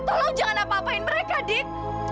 tolong jangan apa apain mereka dik